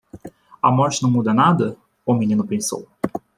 A morte não muda nada? o menino pensou.